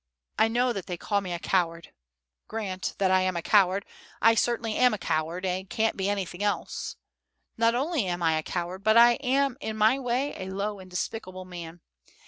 I know that they call me a coward: grant that I am a coward, I certainly am a coward, and can't be anything else. Not only am I a coward, but I am in my way a low and despicable man.